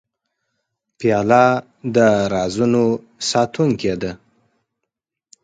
پیاله د رازونو ساتونکې ده.